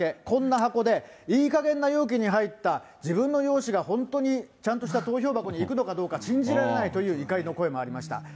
こんな箱で、いいかげんな容器に入った自分の用紙が、本当にちゃんとした投票箱にいくのかどうか信じられないという怒りの声もありました。